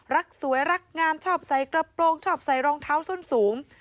รักสวยรักงามชอบใส่กระโปรงชอบใส่รองเท้าส้นสูง